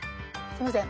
すいません。